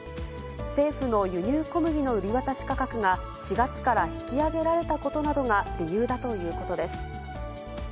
政府の輸入小麦の売り渡し価格が４月から引き上げられたことなどが理由だということです。